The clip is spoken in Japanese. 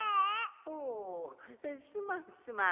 おすまんすまん。